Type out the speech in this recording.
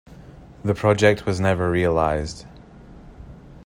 The project was never realised.